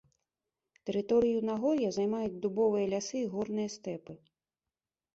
Тэрыторыю нагор'я займаюць дубовыя лясы і горныя стэпы.